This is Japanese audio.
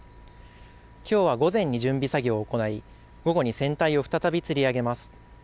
きょうは午前に準備作業を行い、午後に船体を再びつり上げます。